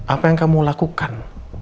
apa yang kamu lakukan